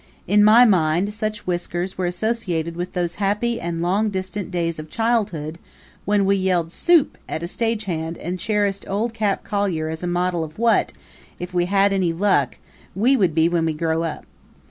In my mind such whiskers were associated with those happy and long distant days of childhood when we yelled Supe! at a stagehand and cherished Old Cap Collier as a model of what if we had luck we would be when we grew up.